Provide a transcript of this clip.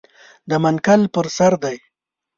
د منقل پر سر دی .